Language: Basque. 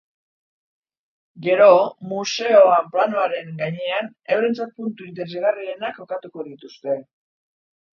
Gero, museoan planoaren gainean eurentzat puntu interesgarrienak kokatuko dituzte.